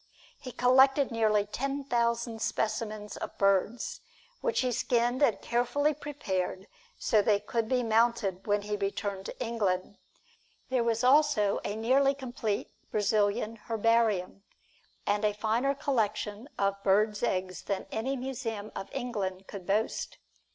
He collected nearly ten thousand specimens of birds, which he skinned and carefully prepared so they could be mounted when he returned to England; there was also a nearly complete Brazilian herbarium, and a finer collection of birds' eggs than any museum of England could boast.